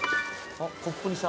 あっコップにした。